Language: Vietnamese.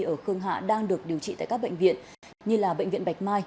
ở khương hạ đang được điều trị tại các bệnh viện như bệnh viện bạch mai